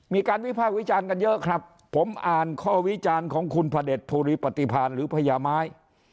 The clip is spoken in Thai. วิภาควิจารณ์กันเยอะครับผมอ่านข้อวิจารณ์ของคุณพระเด็จภูริปฏิพาณหรือพญาไม้